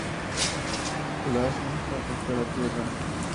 Blas nunca afectó la tierra.